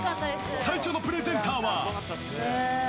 最初のプレゼンターは。